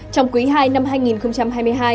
trong quý hai năm hai nghìn hai mươi hai